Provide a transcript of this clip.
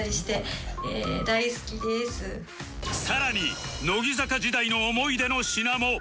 さらに乃木坂時代の思い出の品も